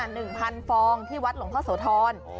หนึ่งพันฟองที่วัดหลงพระสวทร